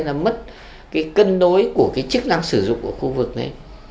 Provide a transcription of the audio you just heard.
nên là mất cái cân đối của cái chức năng sử dụng của khu vực này